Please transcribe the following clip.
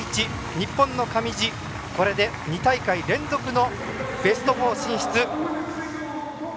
日本の上地、これで２大会連続のベスト４進出。